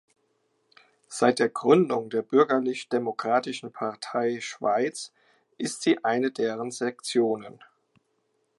Seit der Gründung der Bürgerlich-Demokratischen Partei Schweiz ist sie eine deren Sektionen.